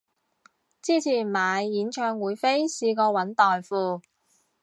之前買演唱會飛試過搵代付